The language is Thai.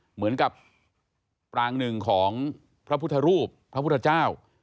เหมือนกับปรางหนึ่งของพระพุทธรูปพระพุทธเจ้า